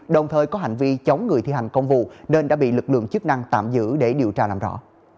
đồng thời có hành vi chống người thi hành công vụ nên đã bị lực lượng chức năng tạm giữ để điều tra làm rõ